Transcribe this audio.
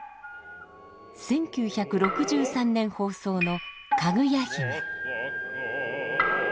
１９６３年放送の「かぐや姫」。